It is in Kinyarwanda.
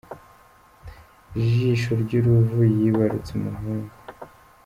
Jisho ry’uruvu yibarutse umuhungu